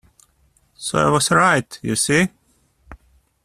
So I was right, you see!